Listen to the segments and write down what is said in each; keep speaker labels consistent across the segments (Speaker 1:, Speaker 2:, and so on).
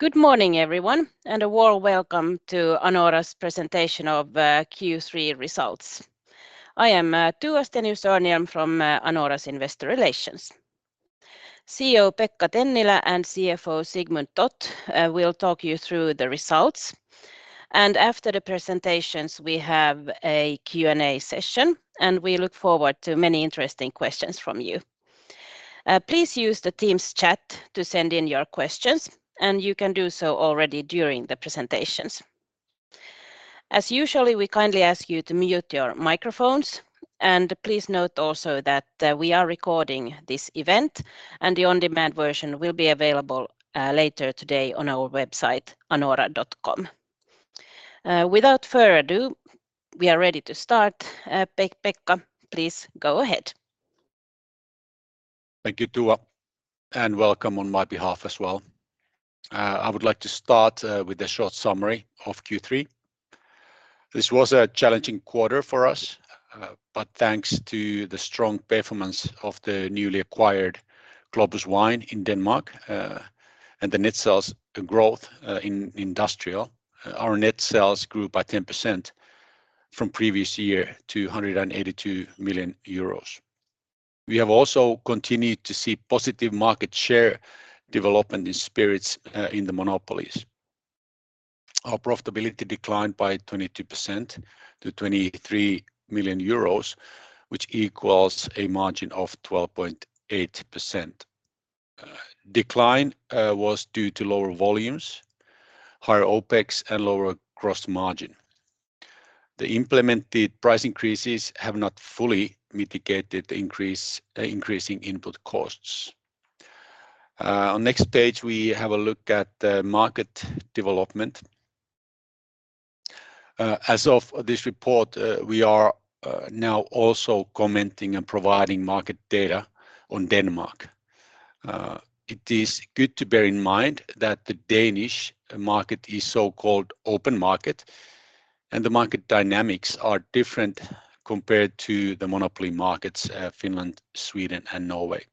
Speaker 1: Good morning, everyone, and a warm welcome to Anora's Presentation of Q3 Results. I am Tua Stenius-Örnhjelm from Anora's Investor Relations. CEO Pekka Tennilä and CFO Sigmund Toth will talk you through the results. After the presentations, we have a Q&A session, and we look forward to many interesting questions from you. Please use the team's chat to send in your questions, and you can do so already during the presentations. As usual, we kindly ask you to mute your microphones, and please note also that we are recording this event, and the on-demand version will be available later today on our website anora.com. Without further ado, we are ready to start. Pekka, please go ahead.
Speaker 2: Thank you, Tua. Welcome on my behalf as well. I would like to start with a short summary of Q3. This was a challenging quarter for us, but thanks to the strong performance of the newly acquired Globus Wine in Denmark, and the net sales growth in industrial, our net sales grew by 10% from previous year to 182 million euros. We have also continued to see positive market share development in spirits in the monopolies. Our profitability declined by 22% to 23 million euros, which equals a margin of 12.8%. Decline was due to lower volumes, higher OPEX, and lower gross margin. The implemented price increases have not fully mitigated the increasing input costs. On next page, we have a look at the market development. As of this report, we are now also commenting and providing market data on Denmark. It is good to bear in mind that the Danish market is so-called open market, and the market dynamics are different compared to the monopoly markets, Finland, Sweden, and Norway.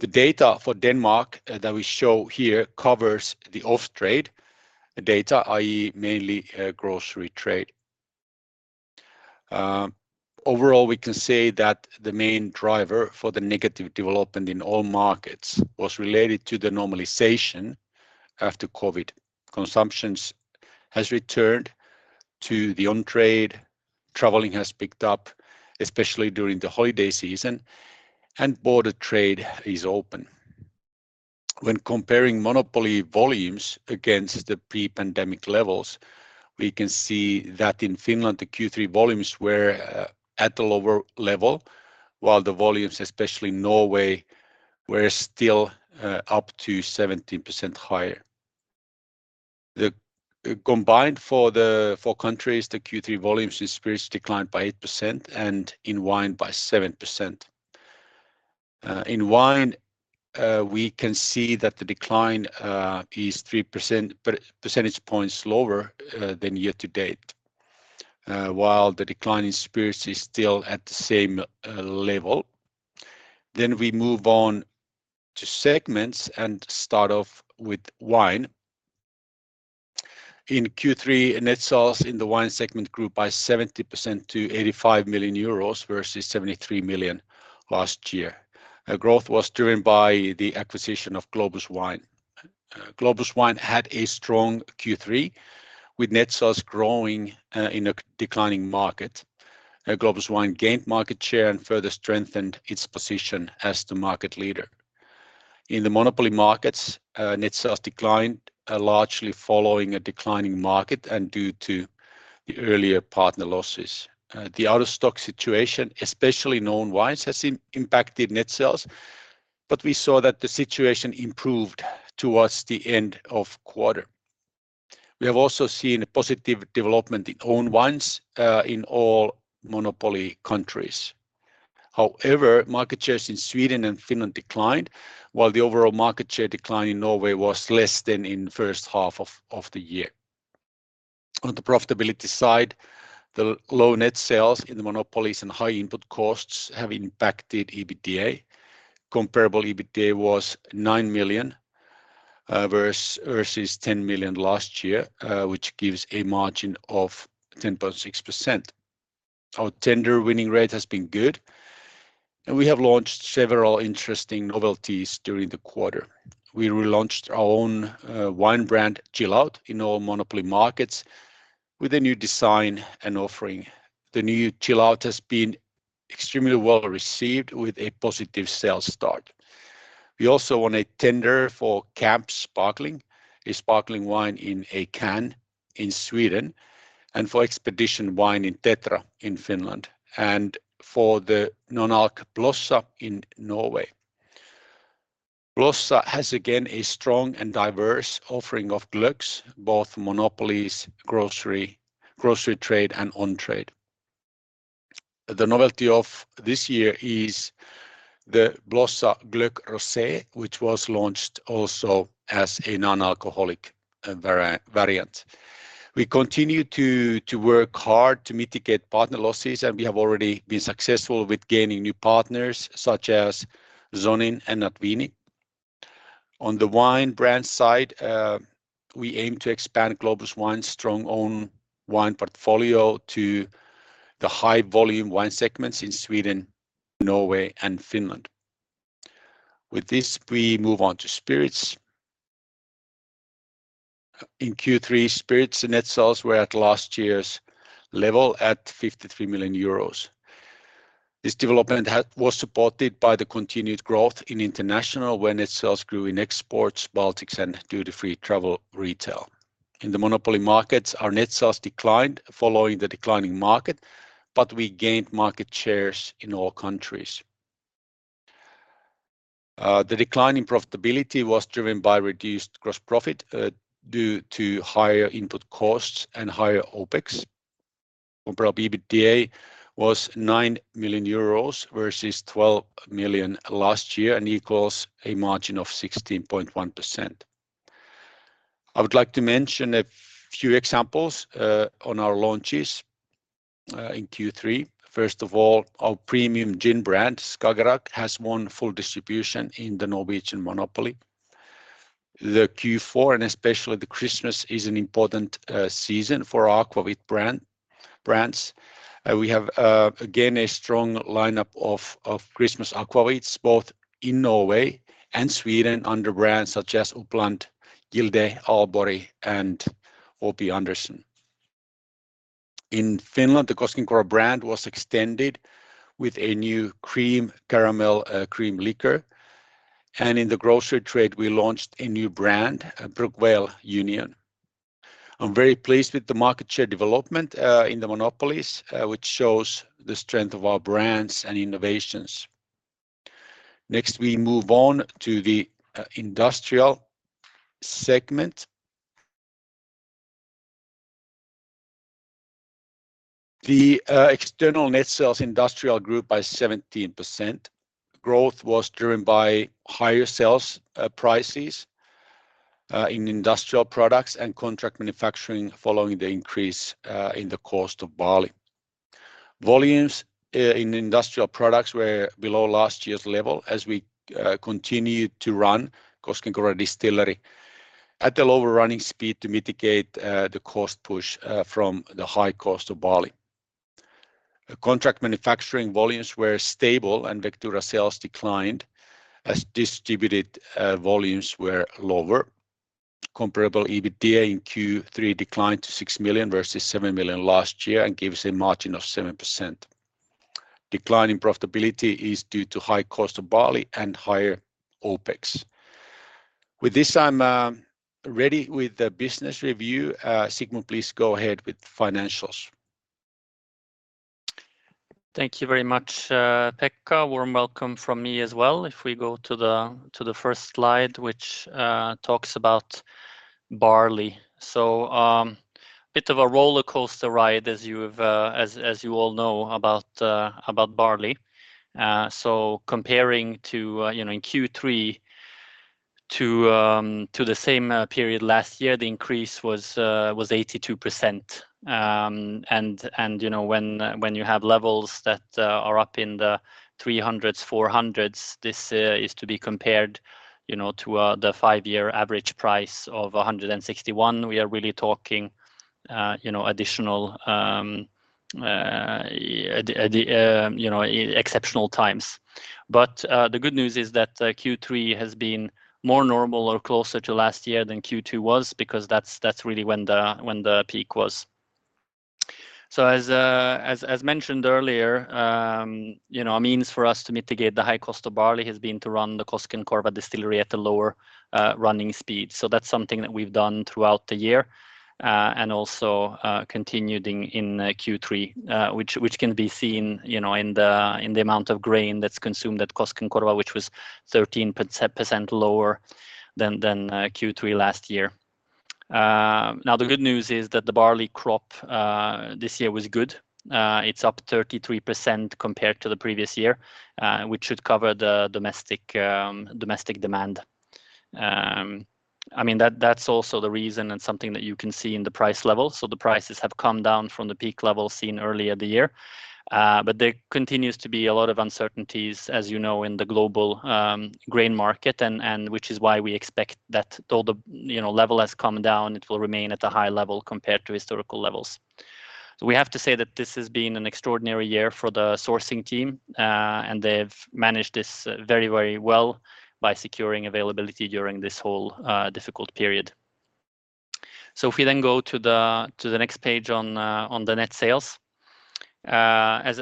Speaker 2: The data for Denmark that we show here covers the off-trade data, i.e., mainly, grocery trade. Overall, we can say that the main driver for the negative development in all markets was related to the normalization after COVID-19. Consumptions has returned to the on-trade, traveling has picked up, especially during the holiday season, and border trade is open. When comparing monopoly volumes against the pre-pandemic levels, we can see that in Finland, the Q3 volumes were at a lower level, while the volumes, especially in Norway, were still up to 17% higher. Combined for the four countries, the Q3 volumes in spirits declined by 8% and in wine by 7%. In wine, we can see that the decline is 3%, but percentage points lower than year to date, while the decline in spirits is still at the same level. We move on to segments and start off with wine. In Q3, net sales in the wine segment grew by 70% to 85 million euros, versus 73 million last year. Growth was driven by the acquisition of Globus Wine. Globus Wine had a strong Q3 with net sales growing in a declining market. Globus Wine gained market share and further strengthened its position as the market leader. In the monopoly markets, net sales declined, largely following a declining market and due to the earlier partner losses. The out-of-stock situation, especially known wines, has impacted net sales, but we saw that the situation improved towards the end of quarter. We have also seen a positive development in own wines in all monopoly countries. However, market shares in Sweden and Finland declined, while the overall market share decline in Norway was less than in first half of the year. On the profitability side, the low net sales in the monopolies and high input costs have impacted EBITDA. Comparable EBITDA was 9 million versus 10 million last year, which gives a margin of 10.6%. Our tender winning rate has been good, we have launched several interesting novelties during the quarter. We relaunched our own wine brand, Chill Out, in all monopoly markets with a new design and offering. The new Chill Out has been extremely well-received with a positive sales start. We also won a tender for CAMP Sparkling, a sparkling wine in a can in Sweden, and for Expedition wine in Tetra in Finland, and for the non-alc Blossa in Norway. Blossa has again a strong and diverse offering of glöggs, both monopolies, grocery trade, and on-trade. The novelty of this year is the Blossa Glögg Rosé, which was launched also as a non-alcoholic variant. We continue to work hard to mitigate partner losses, and we have already been successful with gaining new partners, such as Zonin and AdVini. On the wine brand side, we aim to expand Globus Wine's strong own wine portfolio to the high-volume wine segments in Sweden, Norway, and Finland. With this, we move on to spirits. In Q3, spirits net sales were at last year's level at 53 million euros. This development was supported by the continued growth in international, where net sales grew in exports, Baltics, and duty-free travel retail. In the monopoly markets, our net sales declined following the declining market, but we gained market shares in all countries. The decline in profitability was driven by reduced gross profit due to higher input costs and higher OpEx. Comparable EBITDA was 9 million euros, versus 12 million last year, and equals a margin of 16.1%. I would like to mention a few examples on our launches in Q3. First of all, our premium gin brand, Skagerrak, has won full distribution in the Norwegian monopoly. The Q4, and especially the Christmas, is an important season for our aquavit brands. We have again, a strong lineup of Christmas aquavits, both in Norway and Sweden, under brands such as Uppland, Gilde, Aalborg, and O.P. Anderson. In Finland, the Koskenkorva brand was extended with a new cream caramel cream liqueur. In the grocery trade, we launched a new brand, Brookvale Union. I'm very pleased with the market share development in the monopolies, which shows the strength of our brands and innovations. Next, we move on to the industrial segment. The external net sales industrial grew by 17%. Growth was driven by higher sales prices in industrial products and contract manufacturing following the increase in the cost of barley. Volumes in industrial products were below last year's level as we continued to run Koskenkorva Distillery at a lower running speed to mitigate the cost push from the high cost of barley. Contract manufacturing volumes were stable, and Vectura sales declined as distributed volumes were lower. Comparable EBITDA in Q3 declined to 6 million, versus 7 million last year, and gives a margin of 7%. Decline in profitability is due to high cost of barley and higher OpEx. With this, I'm ready with the business review. Sigmund, please go ahead with financials.
Speaker 3: Thank you very much, Pekka. Warm welcome from me as well. If we go to the, to the first slide, which talks about barley. Bit of a roller coaster ride as you have, as you all know about barley. Comparing to, you know, in Q3 to the same period last year, the increase was 82%. And, and, you know, when you have levels that are up in the EUR 300s, EUR 400s, this is to be compared, you know, to the five-year average price of 161. We are really talking, you know, additional, the, you know, exceptional times. The good news is that Q3 has been more normal or closer to last year than Q2 was because that's really when the peak was. As mentioned earlier, you know, a means for us to mitigate the high cost of barley has been to run the Koskenkorva Distillery at a lower running speed. That's something that we've done throughout the year and also continued in Q3, which can be seen, you know, in the amount of grain that's consumed at Koskenkorva, which was 13% lower than Q3 last year. Now, the good news is that the barley crop this year was good. It's up 33% compared to the previous year, which should cover the domestic demand. I mean, that's also the reason and something that you can see in the price level. The prices have come down from the peak level seen earlier the year. There continues to be a lot of uncertainties, as you know, in the global grain market and which is why we expect that though the, you know, level has come down, it will remain at a high level compared to historical levels. We have to say that this has been an extraordinary year for the sourcing team, and they've managed this very, very well by securing availability during this whole difficult period. If we then go to the next page on the net sales. As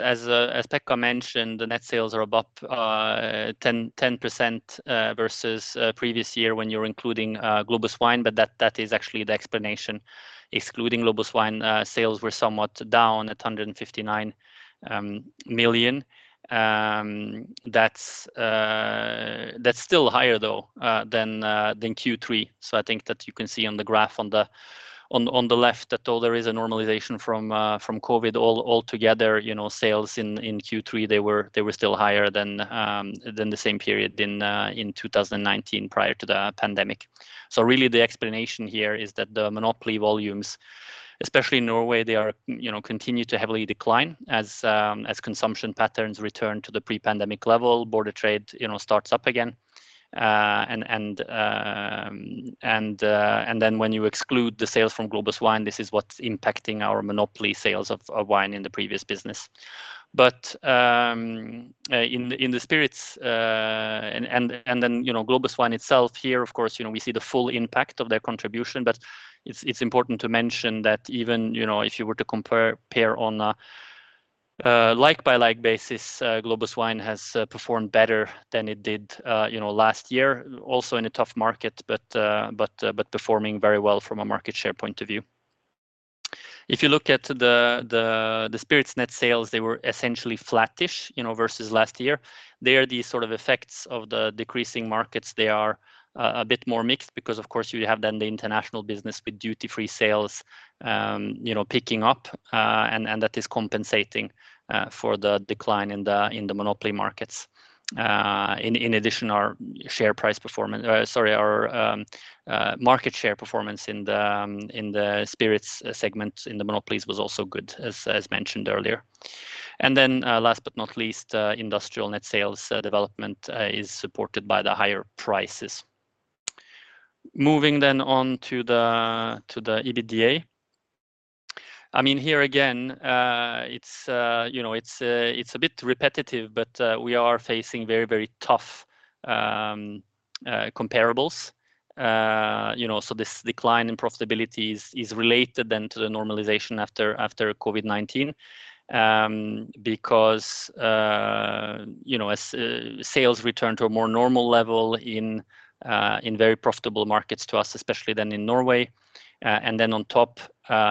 Speaker 3: Pekka mentioned, the net sales are about 10% versus previous year when you're including Globus Wine, that is actually the explanation. Excluding Globus Wine, sales were somewhat down at 159 million. That's still higher though than Q3. I think that you can see on the graph on the left that though there is a normalization from COVID all together, you know, sales in Q3 they were still higher than the same period in 2019 prior to the pandemic. Really the explanation here is that the monopoly volumes, especially in Norway, they are, you know, continue to heavily decline as consumption patterns return to the pre-pandemic level, border trade, you know, starts up again. When you exclude the sales from Globus Wine, this is what's impacting our monopoly sales of wine in the previous business. In the spirits, you know, Globus Wine itself here, of course, you know, we see the full impact of their contribution. It's important to mention that even, you know, if you were to compare, pair on a like by like basis, Globus Wine has performed better than it did, you know, last year, also in a tough market. Performing very well from a market share point of view. If you look at the spirits net sales, they were essentially flattish, you know, versus last year. They are the sort of effects of the decreasing markets. They are a bit more mixed because of course you have then the international business with duty-free sales, you know, picking up, and that is compensating for the decline in the monopoly markets. In addition, our share price performance, sorry, our market share performance in the spirits segment in the monopolies was also good, as mentioned earlier. Then, last but not least, industrial net sales development is supported by the higher prices. Moving then on to the EBITDA. I mean, here again, you know, it's a bit repetitive, but we are facing very, very tough comparables. You know, this decline in profitability is related then to the normalization after COVID-19. You know, as sales return to a more normal level in very profitable markets to us, especially then in Norway, on top,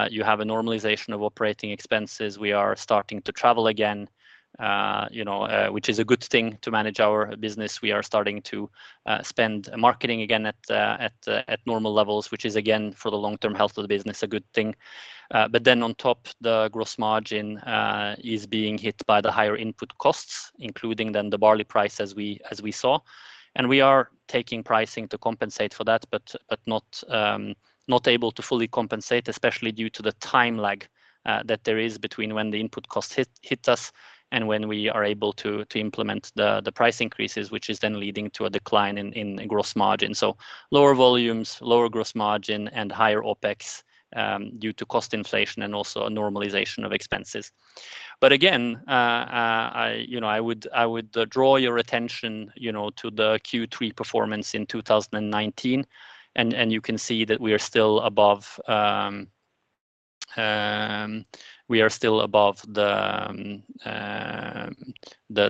Speaker 3: you have a normalization of operating expenses. We are starting to travel again, you know, which is a good thing to manage our business. We are starting to spend marketing again at normal levels, which is again, for the long-term health of the business, a good thing. On top, the gross margin is being hit by the higher input costs, including then the barley price as we saw. We are taking pricing to compensate for that, but not able to fully compensate, especially due to the time lag that there is between when the input cost hits us and when we are able to implement the price increases, which is then leading to a decline in gross margin. Lower volumes, lower gross margin, and higher OpEx due to cost inflation and also a normalization of expenses. Again, I, you know, I would draw your attention, you know, to the Q3 performance in 2019. You can see that we are still above the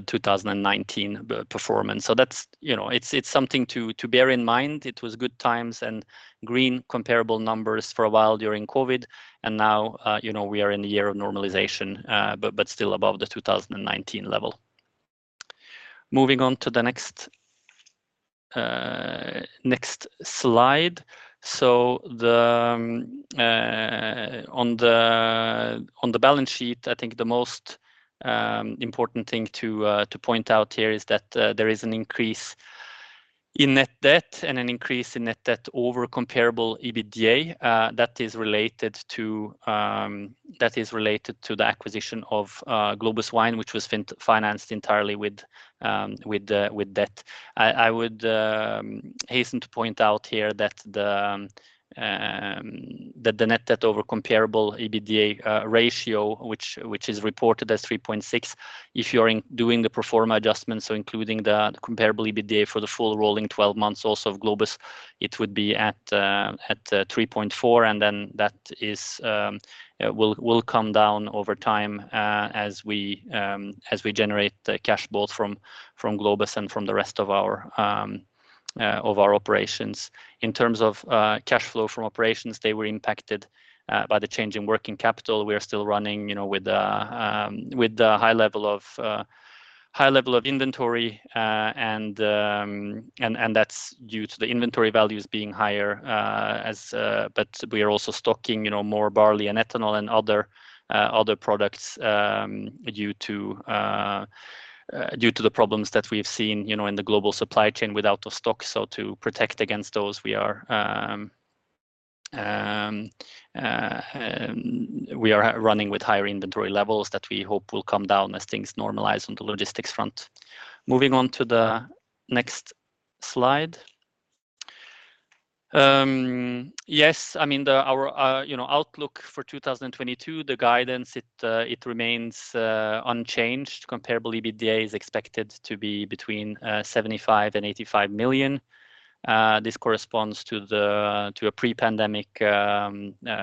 Speaker 3: 2019 performance. That's, you know, it's something to bear in mind. It was good times and green comparable numbers for a while during COVID, you know, we are in the year of normalization, still above the 2019 level. Moving on to the next slide. On the balance sheet, I think the most important thing to point out here is that there is an increase in net debt and an increase in net debt over comparable EBITDA, that is related to the acquisition of Globus Wine, which was financed entirely with debt. I would hasten to point out here that the net debt over comparable EBITDA ratio, which is reported as 3.6, if you're doing the pro forma adjustments, so including the comparable EBITDA for the full rolling 12 months also of Globus, it would be at 3.4, and then that will come down over time as we generate the cash both from Globus and from the rest of our operations. In terms of cash flow from operations, they were impacted by the change in working capital. We are still running, you know, with the high level of inventory, and that's due to the inventory values being higher. We are also stocking, you know, more barley and ethanol and other products, due to the problems that we've seen, you know, in the global supply chain with out of stock. To protect against those, we are running with higher inventory levels that we hope will come down as things normalize on the logistics front. Moving on to the next slide. Yes, I mean, our, you know, outlook for 2022, the guidance, it remains unchanged. Comparable EBITDA is expected to be between 75 million and 85 million. This corresponds to a pre-pandemic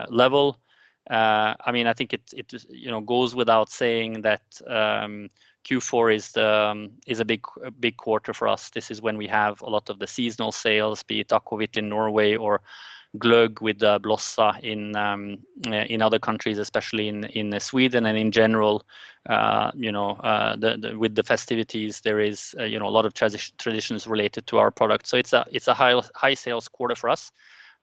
Speaker 3: level. I mean, I think it, you know, goes without saying that Q4 is a big quarter for us. This is when we have a lot of the seasonal sales, be it aquavit in Norway or glögg with Blossa in other countries, especially in Sweden. In general, you know, with the festivities, there is, you know, a lot of traditions related to our product. It's a high sales quarter for us,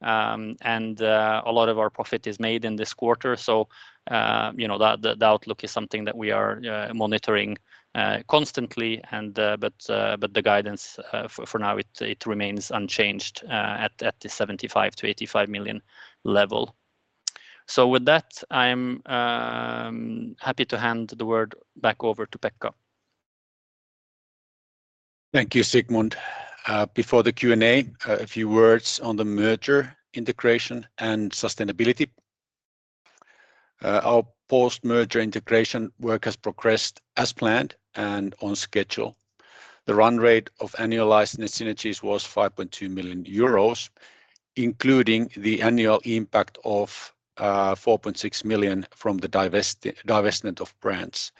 Speaker 3: and a lot of our profit is made in this quarter. You know, the outlook is something that we are monitoring constantly and, but the guidance, for now it remains unchanged, at the 75 million-85 million level. With that, I'm happy to hand the word back over to Pekka.
Speaker 2: Thank you, Sigmund. Before the Q&A, a few words on the merger integration and sustainability. Our post-merger integration work has progressed as planned and on schedule. The run rate of annualized net synergies was 5.2 million euros, including the annual impact of 4.6 million from the divestment of brands.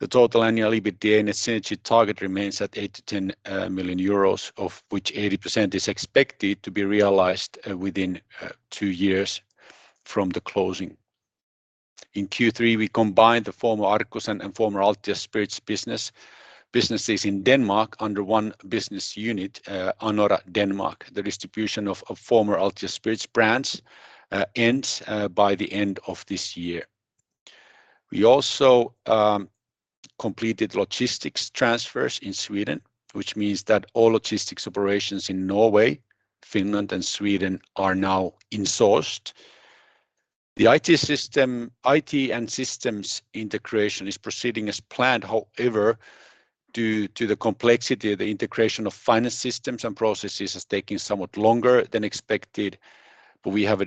Speaker 2: The total annual EBITDA net synergy target remains at 8 million-10 million euros, of which 80% is expected to be realized within two years from the closing. In Q3, we combined the former Arcus and former Altia Spirits businesses in Denmark under one business unit, Anora Denmark. The distribution of former Altia Spirits brands ends by the end of this year. We also completed logistics transfers in Sweden, which means that all logistics operations in Norway, Finland, and Sweden are now insourced. The IT and systems integration is proceeding as planned. However, due to the complexity of the integration of finance systems and processes is taking somewhat longer than expected. We have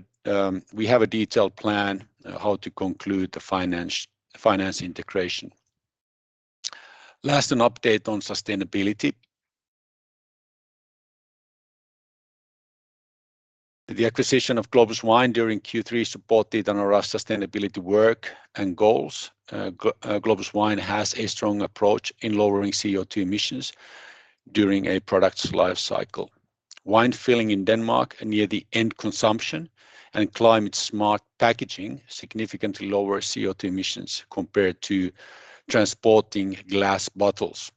Speaker 2: a detailed plan how to conclude the finance integration. Last, an update on sustainability. The acquisition of Globus Wine during Q3 supported Anora's sustainability work and goals. Globus Wine has a strong approach in lowering CO2 emissions during a product's life cycle. Wine filling in Denmark near the end consumption and climate-smart packaging significantly lower CO2 emissions compared to transporting glass bottles.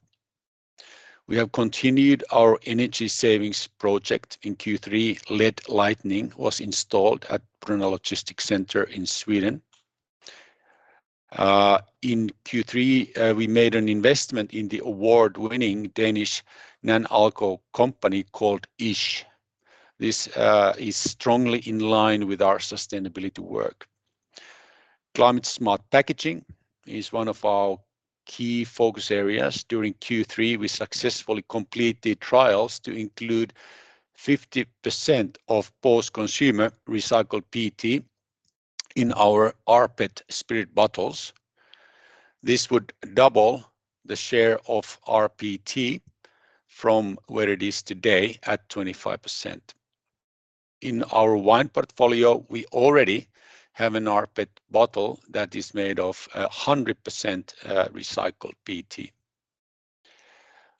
Speaker 2: We have continued our energy savings project in Q3. LED lighting was installed at Brunna logistics center in Sweden. In Q3, we made an investment in the award-winning Danish non-alco company called ISH. This is strongly in line with our sustainability work. Climate-smart packaging is one of our key focus areas. During Q3, we successfully completed trials to include 50% of post-consumer recycled PET in our rPET spirit bottles. This would double the share of rPET from where it is today at 25%. In our wine portfolio, we already have an rPET bottle that is made of 100% recycled PET.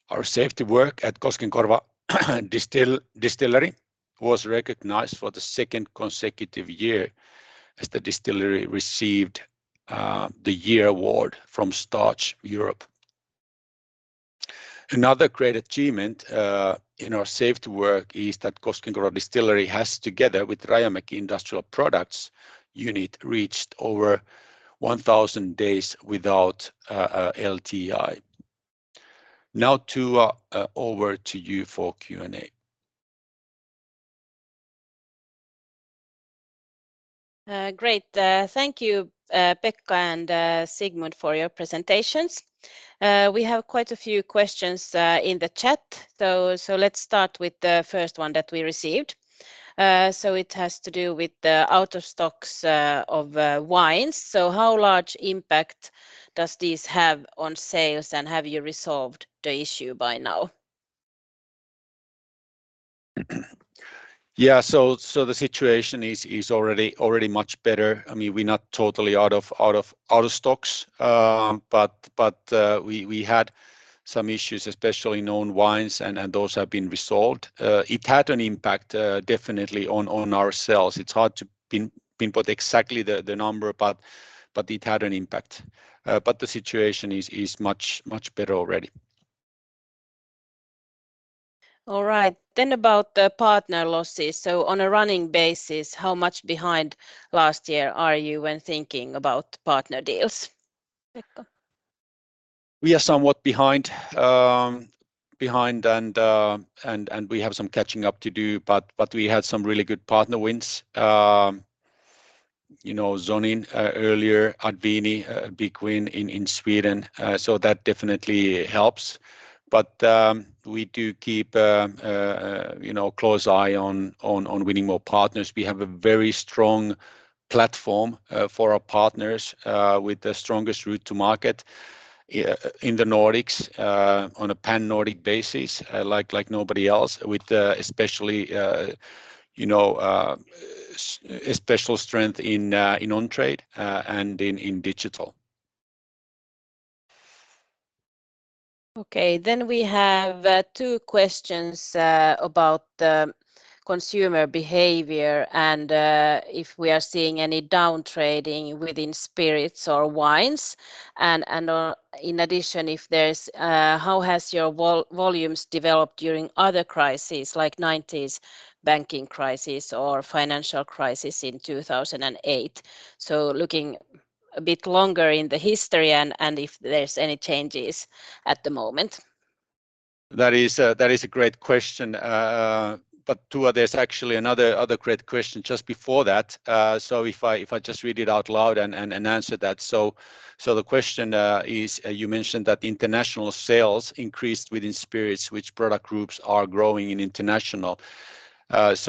Speaker 2: Our safety work at Koskenkorva Distillery was recognized for the second consecutive year, as the distillery received the Year Award from Starch Europe. Another great achievement in our safety work is that Koskenkorva Distillery has, together with Rajamäki Industrial Products Unit, reached over 1,000 days without LTI. Now over to you for Q&A.
Speaker 1: Great. Thank you, Pekka and, Sigmund, for your presentations. We have quite a few questions, in the chat. Let's start with the first one that we received. It has to do with the out of stocks, of, wines. How large impact does this have on sales, and have you resolved the issue by now?
Speaker 2: The situation is already much better. I mean, we're not totally out of stocks. We had some issues, especially in own wines, and those have been resolved. It had an impact, definitely on ourselves. It's hard to pinpoint exactly the number, but it had an impact. The situation is much better already.
Speaker 1: All right. About the partner losses. On a running basis, how much behind last year are you when thinking about partner deals? Pekka?
Speaker 2: We are somewhat behind and we have some catching up to do, but we had some really good partner wins. You know, Zonin earlier, AdVini, a big win in Sweden. That definitely helps. We do keep, you know, a close eye on winning more partners. We have a very strong platform for our partners with the strongest route to market in the Nordics on a pan-Nordic basis, like nobody else with especially, you know, a special strength in on-trade and in digital.
Speaker 1: Okay. We have two questions about the consumer behavior and if we are seeing any down trading within spirits or wines and, in addition, if there's how has your volumes developed during other crises like 1990s banking crisis or financial crisis in 2008? Looking a bit longer in the history and if there's any changes at the moment.
Speaker 2: That is a great question. But, Tua there's actually another great question just before that. If I just read it out loud and answer that. The question is you mentioned that international sales increased within spirits, which product groups are growing in international? There's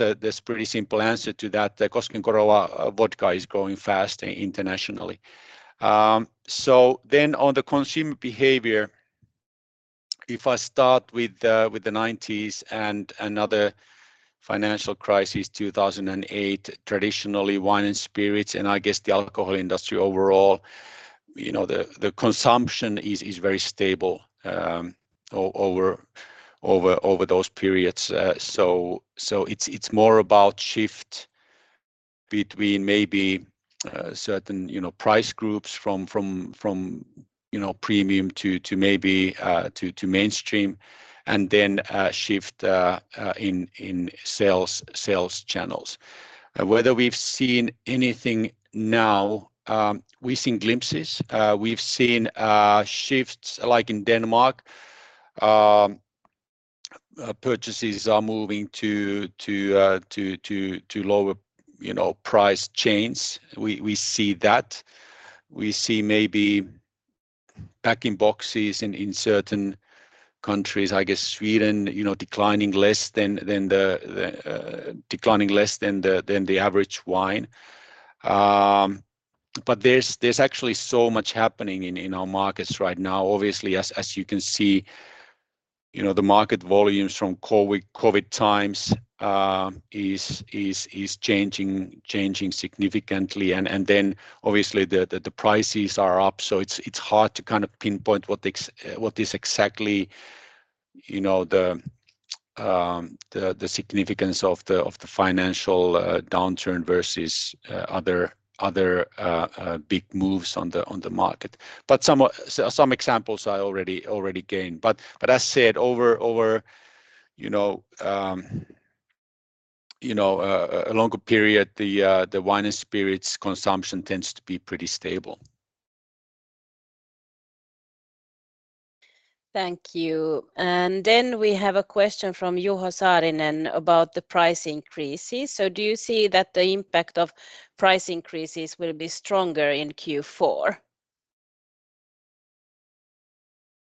Speaker 2: a pretty simple answer to that. The Koskenkorva vodka is growing fast internationally. On the consumer behavior, if I start with the 90s and another financial crisis, 2008, traditionally wine and spirits, and I guess the alcohol industry overall, you know, the consumption is very stable over those periods. So, so it's more about shift between maybe, you know, price groups from, from, you know, premium to maybe, to mainstream and then, shift in sales channels. Whether we've seen anything now, we've seen glimpses. We've seen shifts like in Denmark. Purchases are moving to, to, to lower, you know, price chains. We, we see that. We see maybe packing boxes in certain countries, I guess Sweden, you know, declining less than the, declining less than the, than the average wine. But there's actually so much happening in our markets right now. Obviously as you can see, you know, the market volumes from COVID-19 times, is, is changing significantly. Then obviously the prices are up, so it's hard to kind of pinpoint what is exactly, you know, the significance of the financial downturn versus other big moves on the market. Some examples I already gave. As said, over, you know, a longer period, the wine and spirits consumption tends to be pretty stable.
Speaker 1: Thank you. We have a question from Juho Saarinen about the price increases. Do you see that the impact of price increases will be stronger in Q4?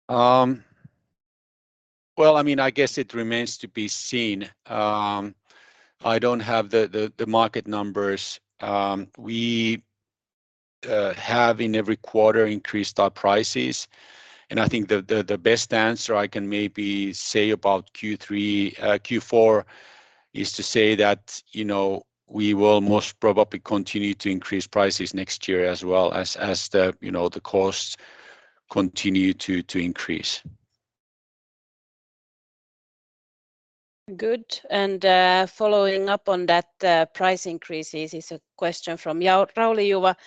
Speaker 2: Well, I mean, I guess it remains to be seen. I don't have the market numbers. We have in every quarter increased our prices, and I think the best answer I can maybe say about Q3, Q4 is to say that, you know, we will most probably continue to increase prices next year as well as the, you know, the costs continue to increase.
Speaker 1: Good. Following up on that, price increases is a question from Rauli Juva.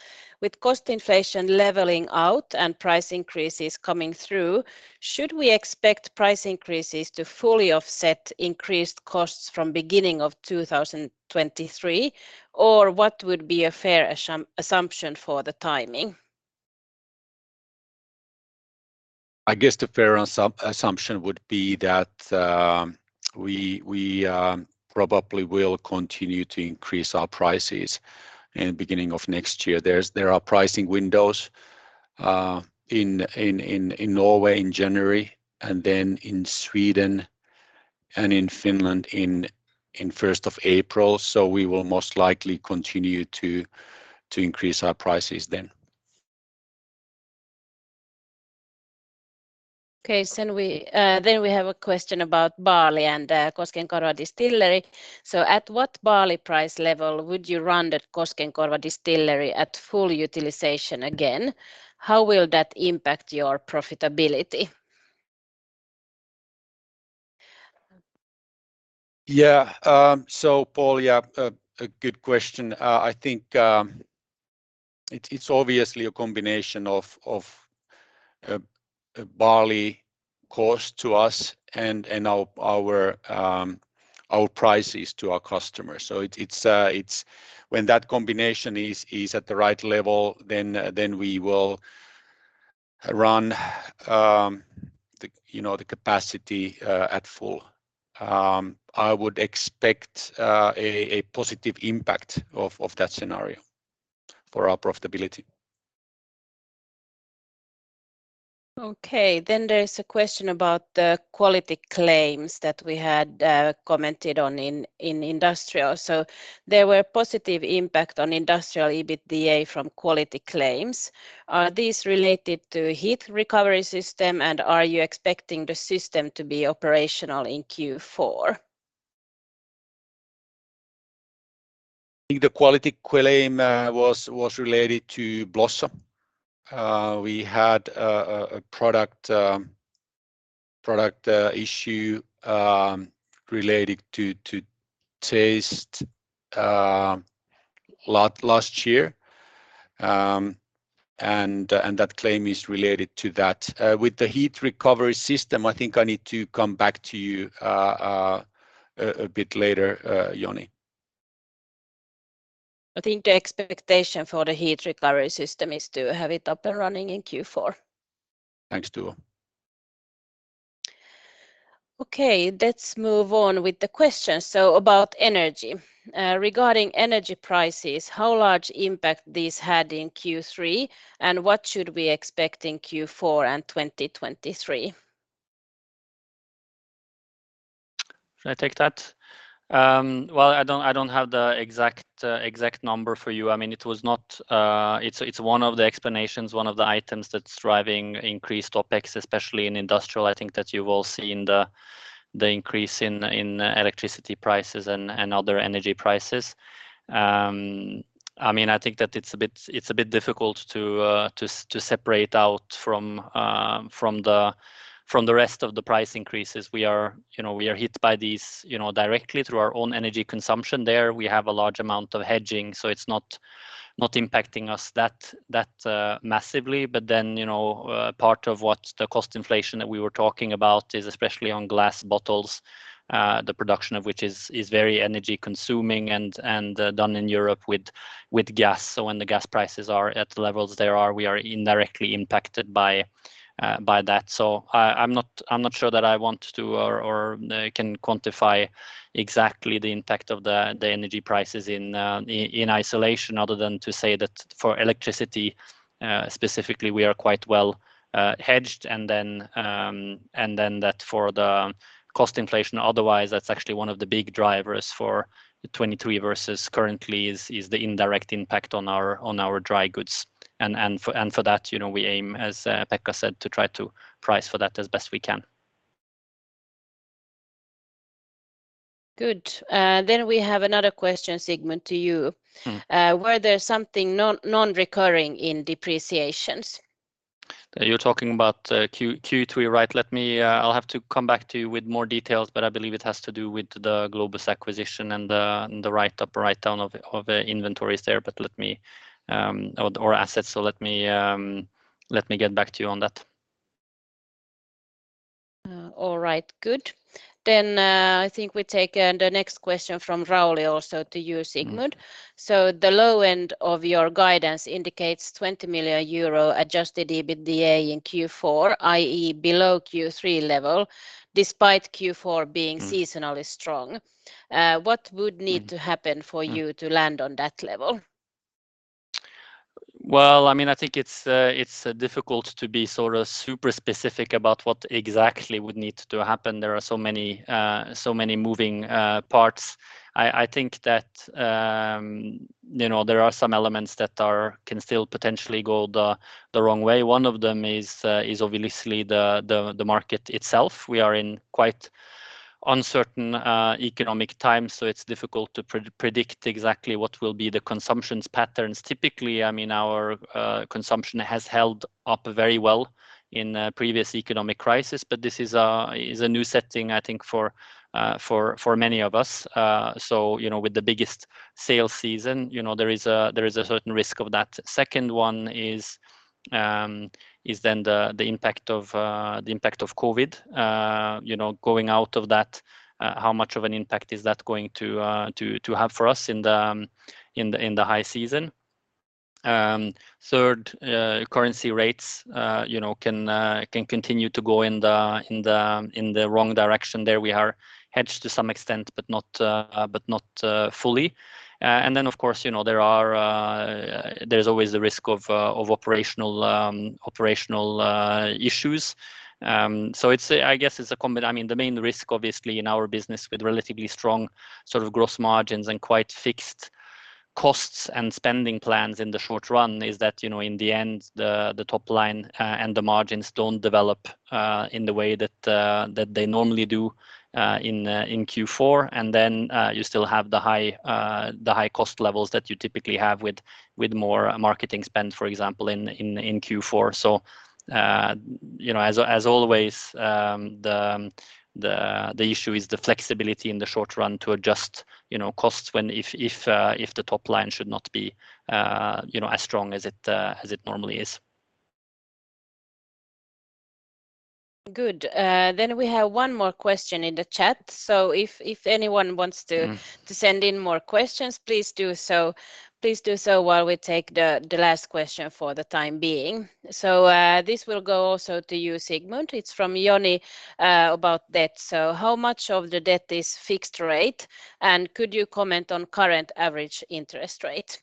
Speaker 1: With cost inflation leveling out and price increases coming through, should we expect price increases to fully offset increased costs from beginning of 2023? Or what would be a fair assumption for the timing?
Speaker 2: I guess the fair assumption would be that we probably will continue to increase our prices in the beginning of next year. There's, there are pricing windows in Norway in January and then in Sweden and in Finland in first of April. We will most likely continue to increase our prices then.
Speaker 1: Okay. We have a question about barley and Koskenkorva Distillery. At what barley price level would you run the Koskenkorva Distillery at full utilization again? How will that impact your profitability?
Speaker 2: Rauli, a good question. I think, it's obviously a combination of barley cost to us and our prices to our customers. It's when that combination is at the right level, then we will run the, you know, the capacity at full. I would expect a positive impact of that scenario for our profitability.
Speaker 1: Okay. There's a question about the quality claims that we had commented on in industrial. There were positive impact on industrial EBITDA from quality claims. Are these related to heat recovery system, and are you expecting the system to be operational in Q4?
Speaker 2: I think the quality claim was related to Blossa. We had a product issue related to taste last year. That claim is related to that. With the heat recovery system, I think I need to come back to you a bit later, Joni.
Speaker 1: I think the expectation for the heat recovery system is to have it up and running in Q4.
Speaker 3: Thanks, Tua.
Speaker 1: Okay, let's move on with the questions. About energy. Regarding energy prices, how large impact this had in Q3, and what should we expect in Q4 and 2023?
Speaker 3: Should I take that? Well, I don't have the exact number for you. I mean, it was not. It's one of the explanations, one of the items that's driving increased OpEx, especially in industrial. I think that you've all seen the increase in electricity prices and other energy prices. I mean, I think that it's a bit difficult to separate out from the rest of the price increases. We are, you know, we are hit by these, you know, directly through our own energy consumption. There we have a large amount of hedging, so it's not impacting us that massively. You know, part of what the cost inflation that we were talking about is especially on glass bottles, the production of which is very energy-consuming and done in Europe with gas. When the gas prices are at the levels they are, we are indirectly impacted by that. I'm not sure that I want to or can quantify exactly the impact of the energy prices in isolation other than to say that for electricity, specifically, we are quite well hedged and then that for the cost inflation otherwise, that's actually one of the big drivers for 2023 versus currently is the indirect impact on our dry goods. For that, you know, we aim, as Pekka said, to try to price for that as best we can.
Speaker 1: Good. We have another question, Sigmund, to you.
Speaker 3: Mm-hmm.
Speaker 1: Were there something non-recurring in depreciations?
Speaker 3: You're talking about Q3, right? I'll have to come back to you with more details, I believe it has to do with the Globus acquisition and the write up, write down of inventories there. Let me get back to you on that.
Speaker 1: All right. Good. I think we take the next question from Rauli, also to you, Sigmund.
Speaker 3: Mm-hmm.
Speaker 1: The low end of your guidance indicates 20 million euro Adjusted EBITDA in Q4, i.e. below Q3 level, despite Q4.
Speaker 3: Mm...
Speaker 1: seasonally strong. what would need-
Speaker 3: Mm
Speaker 1: to happen for you to land on that level?
Speaker 3: Well, I mean, I think it's difficult to be sort of super specific about what exactly would need to happen. There are so many, so many moving parts. I think that, you know, there are some elements that are... can still potentially go the wrong way. One of them is obviously the market itself. We are in quite uncertain economic times, so it's difficult to predict exactly what will be the consumption patterns. Typically, I mean, our consumption has held up very well in a previous economic crisis, but this is a new setting I think for many of us. You know, with the biggest sales season, you know, there is a certain risk of that. Second one is then the impact of the impact of COVID, you know, going out of that. How much of an impact is that going to have for us in the high season? Third, currency rates, you know, can continue to go in the wrong direction. There we are hedged to some extent, but not fully. Then of course, you know, there are, there's always the risk of operational operational issues. I guess, I mean, the main risk obviously in our business with relatively strong sort of gross margins and quite fixed costs and spending plans in the short run is that, you know, in the end the top line and the margins don't develop in the way that that they normally do in Q4. You still have the high cost levels that you typically have with more marketing spend, for example, in Q4. You know, as always, the issue is the flexibility in the short run to adjust, you know, costs when if the top line should not be, you know, as strong as it normally is.
Speaker 1: Good. We have one more question in the chat. If anyone wants to.
Speaker 3: Mm...
Speaker 1: to send in more questions, please do so. Please do so while we take the last question for the time being. This will go also to you, Sigmund. It's from Joni about debt. How much of the debt is fixed rate? Could you comment on current average interest rate?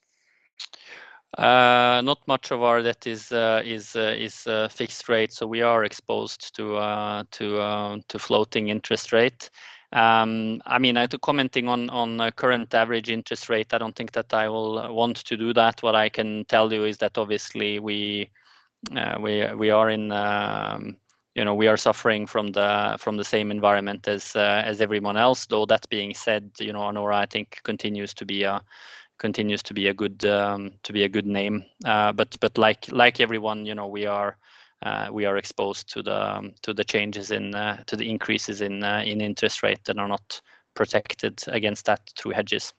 Speaker 3: Not much of our debt is a fixed rate, so we are exposed to floating interest rate. I mean, to commenting on current average interest rate, I don't think that I will want to do that. What I can tell you is that obviously, you know, we are suffering from the same environment as everyone else. That being said, you know, Anora, I think continues to be a good name. Like everyone, you know, we are exposed to the changes in the increases in interest rate and are not protected against that through hedges.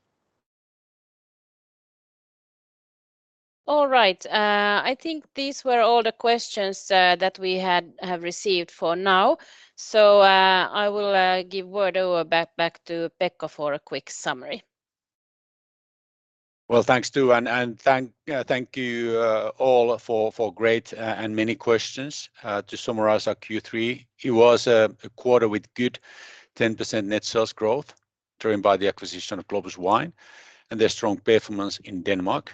Speaker 1: All right. I think these were all the questions that we had have received for now. I will give word over back to Pekka for a quick summary.
Speaker 2: Thanks too, and thank you all for great and many questions. To summarize our Q3, it was a quarter with good 10% net sales growth driven by the acquisition of Globus Wine and their strong performance in Denmark.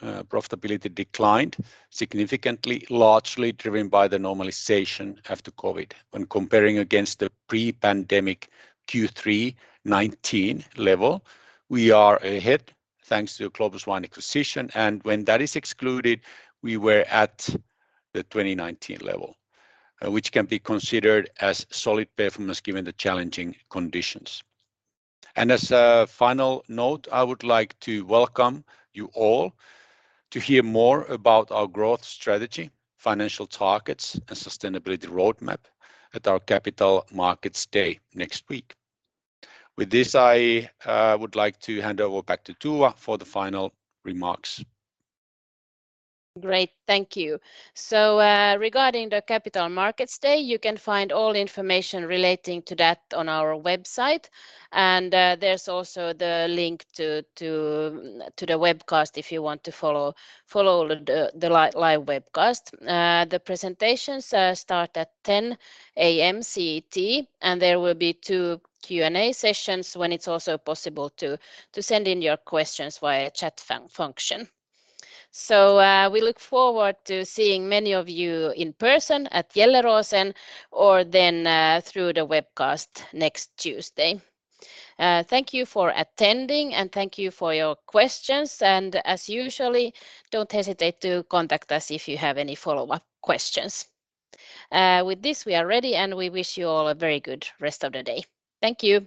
Speaker 2: Profitability declined significantly, largely driven by the normalization after COVID-19. When comparing against the pre-pandemic Q3 2019 level, we are ahead thanks to Globus Wine acquisition, and when that is excluded, we were at the 2019 level, which can be considered as solid performance given the challenging conditions. As a final note, I would like to welcome you all to hear more about our growth strategy, financial targets and sustainability roadmap at our Capital Markets Day next week. With this, I would like to hand over back to Tua for the final remarks.
Speaker 1: Great. Thank you. Regarding the Capital Markets Day, you can find all information relating to that on our website. There's also the link to the webcast if you want to follow the live webcast. The presentations start at 10:00 A.M. CET. There will be two Q&A sessions when it's also possible to send in your questions via chat function. We look forward to seeing many of you in person at Gjelleråsen or then through the webcast next Tuesday. Thank you for attending and thank you for your questions. As usual, don't hesitate to contact us if you have any follow-up questions. With this, we are ready. We wish you all a very good rest of the day. Thank you.